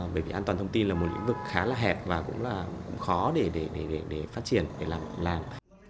bởi vì an toàn thông tin là một lĩnh vực khá là hẹp và cũng là khó để phát triển để làm